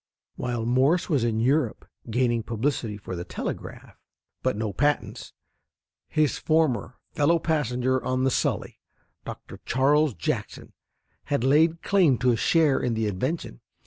While Morse was in Europe gaining publicity for the telegraph, but no patents, his former fellow passenger on the Sully, Dr. Charles Jackson, had laid claim to a share in the invention.